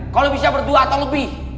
kalau bisa berdua atau lebih